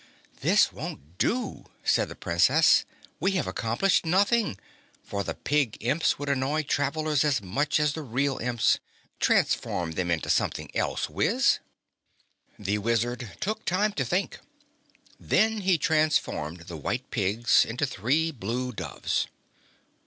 "This won't do," said the Princess. "We have accomplished nothing, for the pig Imps would annoy travelers as much as the real Imps. Transform them into something else, Wiz." The Wizard took time to think. Then he transformed the white pigs into three blue doves.